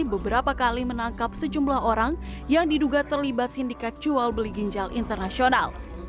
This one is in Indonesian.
beberapa kali menangkap sejumlah orang yang diduga terlibat sindikat jual beli ginjal internasional